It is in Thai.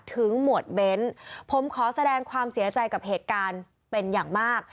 หมวดเบ้นผมขอแสดงความเสียใจกับเหตุการณ์เป็นอย่างมาก